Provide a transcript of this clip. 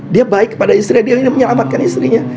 dia baik kepada istrinya dia ingin menyelamatkan istrinya